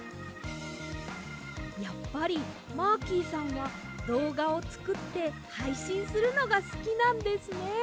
やっぱりマーキーさんはどうがをつくってはいしんするのがすきなんですね。